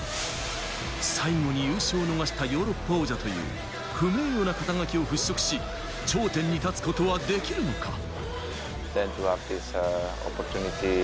最後に優勝を逃したヨーロッパ王者という不名誉な肩書を払拭し頂点に立つことはできるのか？